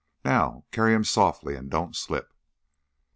Now carry him softly and don't slip."